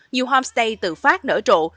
nhiều homestay tự phát nở trộn